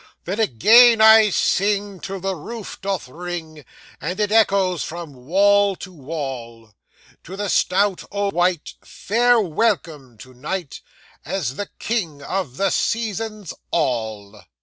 Then again I sing till the roof doth ring And it echoes from wall to wall To the stout old wight, fair welcome to night, As the King of the Seasons all!